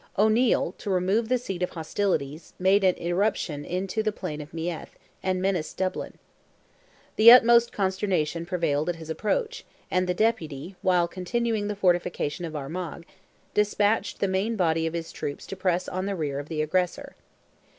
O'Neil, to remove the seat of hostilities, made an irruption into the plain of Meath, and menaced Dublin. The utmost consternation prevailed at his approach, and the Deputy, while continuing the fortification of Armagh, despatched the main body of his troops to press on the rear of the aggressor.